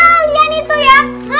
kalian itu ya